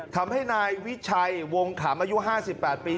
ทำให้นายวิชัยวงขำอายุ๕๘ปี